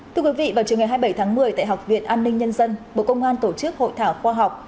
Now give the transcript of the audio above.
thưa quý vị vào trường ngày hai mươi bảy tháng một mươi tại học viện an ninh nhân dân bộ công an tổ chức hội thảo khoa học